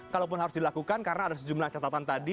kalaupun harus dilakukan karena ada sejumlah catatan tadi